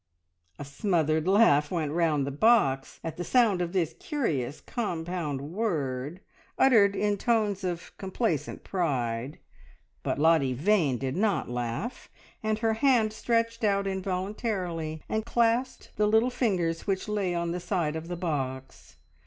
A smothered laugh went round the box at the sound of this curious compound word, uttered in tones of complacent pride; but Lottie Vane did not laugh, and her hand stretched out involuntarily and clasped the little fingers which lay on the side of the box.